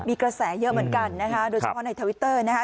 มีกระแสเยอะเหมือนกันนะคะโดยเฉพาะในทวิตเตอร์นะคะ